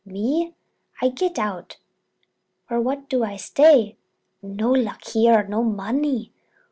"Me? I get out. What for do I stay? No luck here, no money.